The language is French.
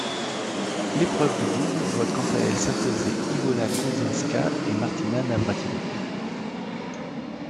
L'épreuve de double voit quant à elle s'imposer Iwona Kuczyńska et Martina Navrátilová.